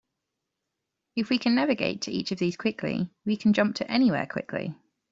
If we can navigate to each of these quickly, we can jump to anywhere quickly.